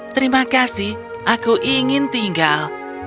terima kasih aku ingin tinggal